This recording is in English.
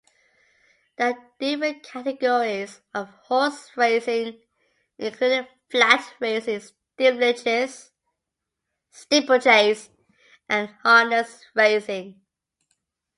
There are different categories of horse racing, including flat racing, steeplechase, and harness racing.